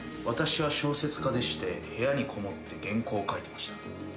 私は小説家でして部屋にこもって原稿を書いてました。